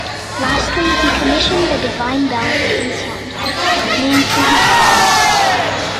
Lastly, he commissioned the Divine Bell of King Seongdeok, named for his father.